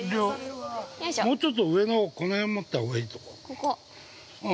もうちょっと上のほうこの辺持ったほうがいいと思う。